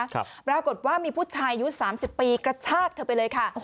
ปรากฏว่ามีผู้ชายอายุสามสิบปีกระชากเธอไปเลยค่ะ